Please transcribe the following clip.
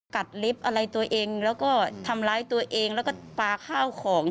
กรับอะไรตัวเองแล้วทำร้ายตัวเองปลากล้าข้าวของ